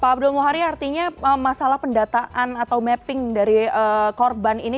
pak abdul muhari artinya masalah pendataan atau mapping dari korban ini